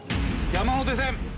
山手線。